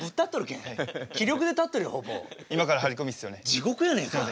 地獄やねえか。